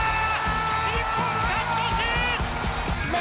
日本勝ち越し！